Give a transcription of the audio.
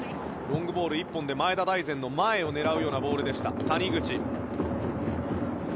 ロングボール１本で前田大然の前を狙うようなボールでした。